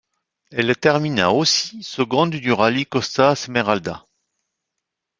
Elle termina aussi seconde du rallye Costa Smeralda.